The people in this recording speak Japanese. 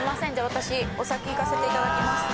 私お先いかせていただきます。